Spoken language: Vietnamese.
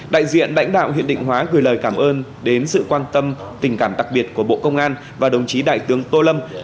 đại diện đảnh đạo huyện định hóa gửi lời cảm ơn đến sự quan tâm